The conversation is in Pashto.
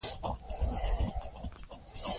شاه محمود د ښار دننه د خطر د ارزونې لپاره ولاړ و.